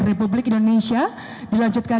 republik indonesia dilanjutkan